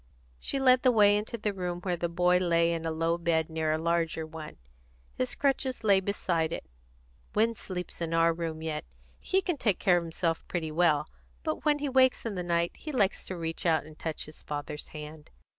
She led the way into the room where the boy lay in a low bed near a larger one. His crutches lay beside it. "Win sleeps in our room yet. He can take care of himself quite well. But when he wakes in the night he likes to reach out and touch his father's hand."